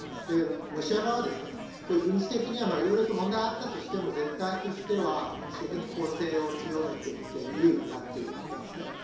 で、ロシア側は軍事的にはいろいろと問題があったとしても全体としては軍事的に攻勢を強めていて優位に立っているわけです。